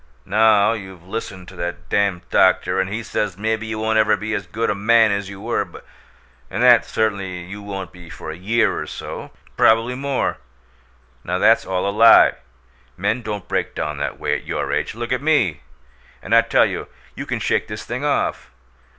Now you've listened to that dam' doctor, and he says maybe you won't ever be as good a man as you were, and that certainly you won't be for a year or so probably more. Now, that's all a lie. Men don't break down that way at your age. Look at ME! And I tell you, you can shake this thing off.